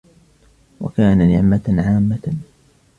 وَكَانَ نِعْمَةً عَامَّةً